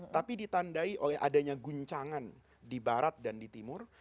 tapi ditandai oleh adanya guncangan di barat dan di timur